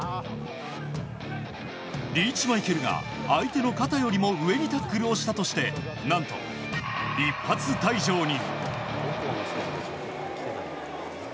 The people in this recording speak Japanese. リーチマイケルが相手の肩よりも上にタックルをしたとして何と、一発退場に。